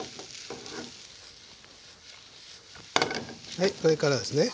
はいそれからですね。